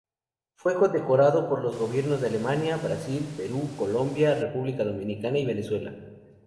Fue condecorado por los gobiernos de Alemania, Brasil, Perú, Colombia, República Dominicana y Venezuela.